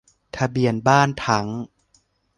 ทะเบียนบ้านทั้ง